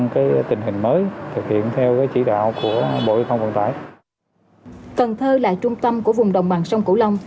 cần thơ là trung tâm của vùng đồng bằng sông cửu long